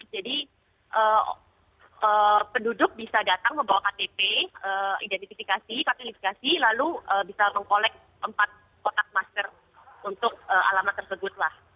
jadi penduduk bisa datang membawa ktp identifikasi kategorifikasi lalu bisa mengkolek empat kotak masker untuk alamat tersebut lah